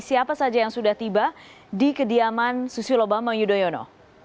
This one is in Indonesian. siapa saja yang sudah tiba di kediaman susilo bambang yudhoyono